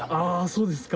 そうですか。